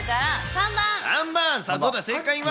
３番、さあどうだ、正解は。